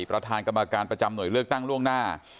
ประธานกรรมการประจำหน่วยเลือกตั้งล่วงหน้า